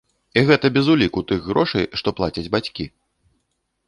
І гэта без уліку тых грошай, што плацяць бацькі.